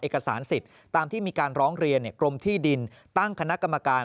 เอกสารสิทธิ์ตามที่มีการร้องเรียนกรมที่ดินตั้งคณะกรรมการ